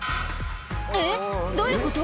えっどういうこと？